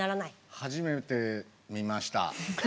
初めて見ました。